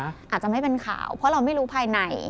อาจจะไม่เป็นข่าวเพราะเราไม่รู้ภายใน